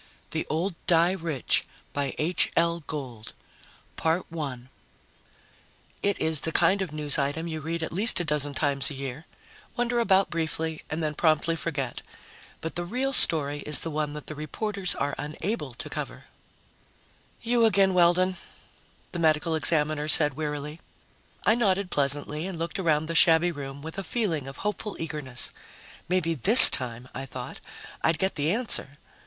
THE OLD DIE RICH By H. L. GOLD Illustrated by ASHMAN _It is the kind of news item you read at least a dozen times a year, wonder about briefly, and then promptly forget but the real story is the one that the reporters are unable to cover!_ "You again, Weldon," the Medical Examiner said wearily. I nodded pleasantly and looked around the shabby room with a feeling of hopeful eagerness. Maybe this time, I thought, I'd get the answer.